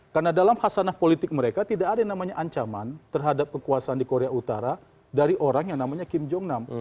karena dalam hasanah politik mereka tidak ada yang namanya ancaman terhadap kekuasaan di korea utara dari orang yang namanya kim jong nam